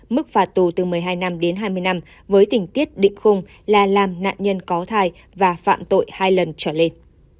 mức phạt tù từ một mươi hai năm đến hai mươi năm với tình tiết định khung là làm nạn nhân có thai và phạm tội hai lần trở lên